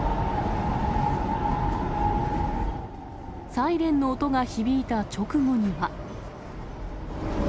サイレンの音が響いた直後には。